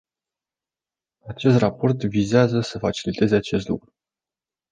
Acest raport vizează să faciliteze acest lucru.